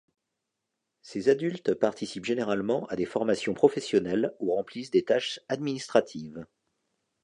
Ces adultes participent généralement à des formations professionnelles ou remplissent des tâches administratives.